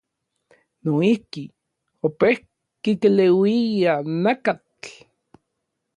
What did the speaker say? Noijki, opejki keleuia nakatl.